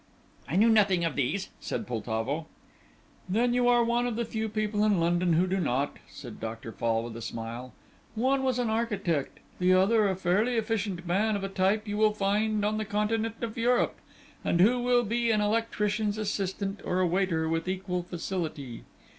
"I knew nothing of these," said Poltavo. "Then you are one of the few people in London who do not," said Dr. Fall, with a smile. "One was an architect, the other a fairly efficient man of a type you will find on the continent of Europe, and who will be an electrician's assistant or a waiter with equal felicity.